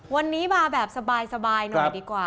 วันนี้มาแบบสบายหน่อยดีกว่า